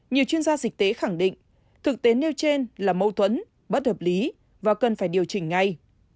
nhiều chuyên gia dịch tế khẳng định thực tế nêu trên là mâu thuẫn bất hợp lý và cần phải điều chỉnh ngay